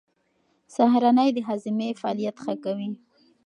سهارنۍ د هاضمې فعالیت ښه کوي.